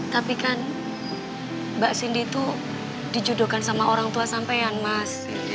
tapi kan mbak sinti tuh dijodohkan sama orang tua sampean mas